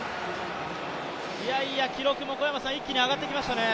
記録も小山さん、一気に上がってきましたね。